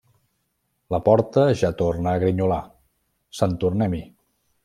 La porta ja torna a grinyolar. Sant tornem-hi!